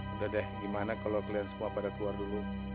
udah deh gimana kalau kalian semua pada keluar dulu